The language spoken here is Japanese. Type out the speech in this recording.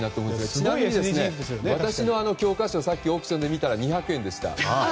ちなみに私の教科書、さっきオークションで見たら２００円でした。